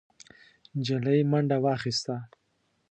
نجلۍ منډه واخيسته.